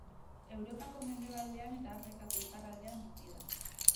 Europako mendebalean eta Afrikako iparraldean bizi da.